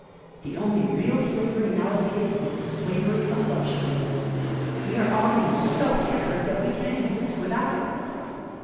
The only real slavery nowa days is the slavery of luxury. We are all getting so pampered that we can't exist with out it.